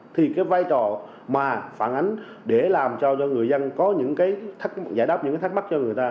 thì cái vai trò mà phản ánh để làm sao cho người dân có những cái giải đáp những cái thắc mắc cho người ta